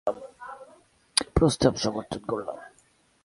প্রস্তাব সমর্থন করলাম।